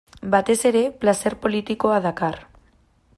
Batez ere, plazer politikoa dakar.